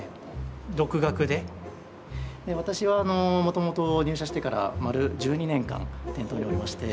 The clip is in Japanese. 私はもともと入社してから丸１２年間店頭におりまして。